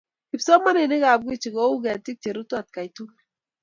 kipsomaninikab Gwiji kouu ketiik cherutu atkai tugul